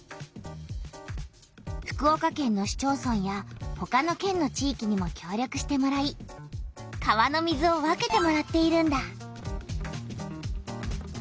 福岡県の市町村やほかの県の地いきにもきょう力してもらい川の水を分けてもらっているんだ。